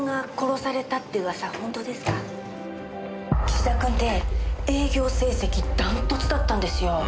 岸田君って営業成績ダントツだったんですよ。